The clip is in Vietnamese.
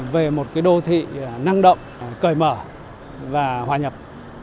về một đô thị năng động cởi mở và hòa nhập